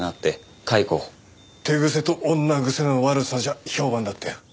手癖と女癖の悪さじゃ評判だったよ。